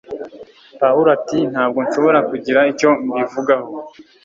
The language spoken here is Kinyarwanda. Pawulo ati: "Ntabwo nshobora kugira icyo mbivugaho"